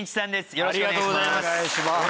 よろしくお願いします。